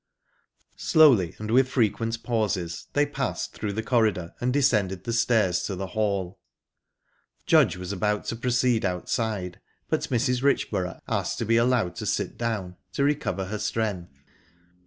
Slowly and with frequent pauses, they passed through the corridor and descended the stairs to the hall. Judge was about to proceed outside, but Mrs. Richborough asked to be allowed to sit down, to recover her strength.